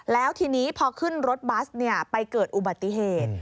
แล้วทีนี้พอขึ้นรถบัสไปเกิดอุบัติเหตุ